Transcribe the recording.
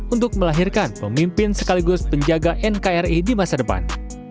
untuk melahirkan pemimpin sekaligus penjaga nkri di masa depan